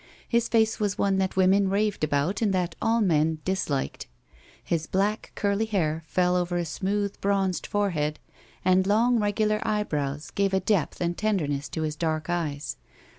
His face was one that women raved about and that all men disliked. His black, curly hair fell over a smooth, bronzed forehead, and long, regular eyebrows gave a depth and tenderness to his dark eyes.